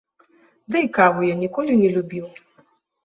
Дый каву я ніколі не любіў.